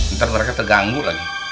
ntar mereka terganggu lagi